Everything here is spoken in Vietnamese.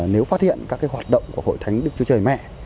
nếu phát hiện các hoạt động của hội thánh đức chúa trời mẹ